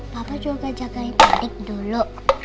papa juga jagain adik dulu